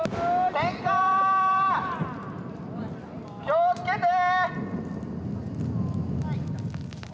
気をつけて！